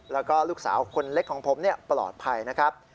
แล้วก็ลูกสาวคนเล็กของผมปลอดภัยนะครับ